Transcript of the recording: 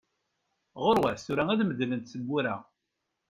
Ɣuṛwat, tura ad medlent tebbura!